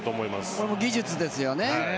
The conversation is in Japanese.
これも技術ですよね。